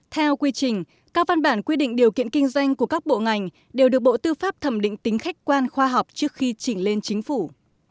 theo quy trình các văn bản quy định điều kiện kinh doanh của các bộ ngành đều được bộ tư pháp thẩm định tính khách quan khoa học trước khi chỉnh lên chính phủ